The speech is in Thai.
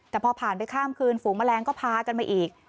แต่พอผ่านไปข้ามคืนฝูงแมลงก็พากันมาอีก